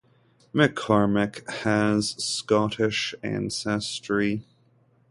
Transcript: McCormack has Scottish ancestry.